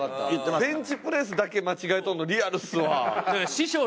ベンチプレスだけ間違えとんのリアルっすわ。